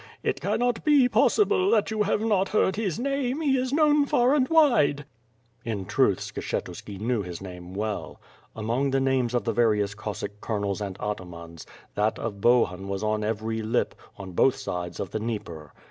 It cannot be possible that you have not heard his name. He is known far and wide." In truth Skshetuski knew his name well. Among the names of the various Cossack C^olonels and atamans, that of Bohun was on every lip, on both sides of the Dnieper.